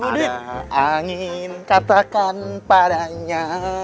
ada angin katakan padanya